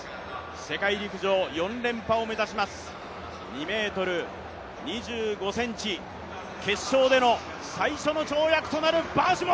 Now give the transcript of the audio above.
世界陸上４連覇を目指します、２ｍ２５ｃｍ決勝での最初の跳躍となるバーシム。